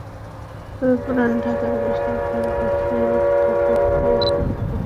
তবে পুরান ঢাকার বেশির ভাগ ব্যবসায়ী খাতাপত্রেই হিসাব তুলে রাখেন।